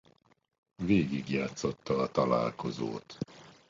Végigjátszotta a találkozót.